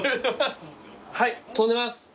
はい飛んでます。